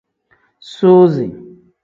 Suuzi.